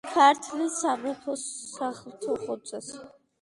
ქართლის სამეფოს სახლთუხუცესი.